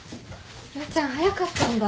陽ちゃん早かったんだ。